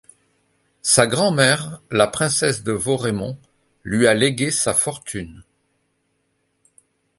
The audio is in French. Sa grand-mère, la princesse de Vaurémont, lui a légué sa fortune.